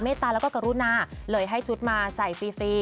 ตาแล้วก็กรุณาเลยให้ชุดมาใส่ฟรี